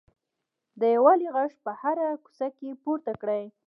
د یووالي غږ په هره کوڅه کې پورته کړئ.